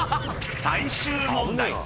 ［最終問題］